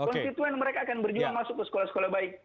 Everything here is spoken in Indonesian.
konstituen mereka akan berjuang masuk ke sekolah sekolah baik